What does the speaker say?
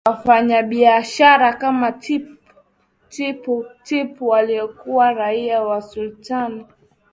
Wafanyabiashara kama Tippu Tip waliokuwa raia wa Usultani